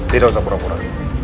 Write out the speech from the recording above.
tidak usah pura pura